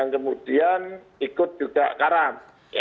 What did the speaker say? kemudian ikut juga karam